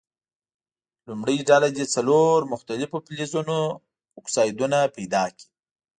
لومړۍ ډله دې څلور مختلفو فلزونو اکسایدونه پیداکړي.